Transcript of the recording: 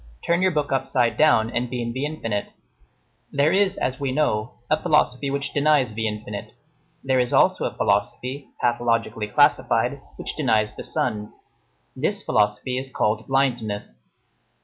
Turn your book upside down and be in the infinite. There is, as we know, a philosophy which denies the infinite. There is also a philosophy, pathologically classified, which denies the sun; this philosophy is called blindness.